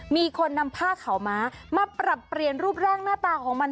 มีคนนำผ้าขาวม้ามาปรับเปลี่ยนรูปร่างหน้าตาของมัน